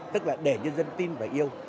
tức là để nhân dân tin và yêu